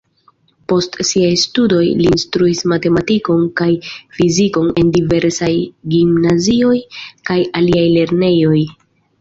Post siaj studoj li instruis matematikon kaj fizikon en diversaj gimnazioj kaj aliaj lernejoj.